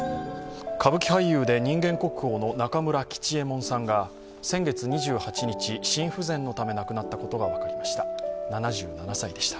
歌舞伎俳優で人間国宝の中村吉右衛門さんが先月２８日、心不全のため亡くなったことが分かりました。